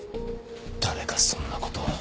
誰がそんなことを。